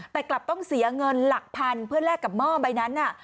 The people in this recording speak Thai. แต่กลับต้องเสียเงินหลักพันเพื่อแลกกับหม้อใบนั้น